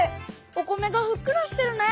お米がふっくらしてるね。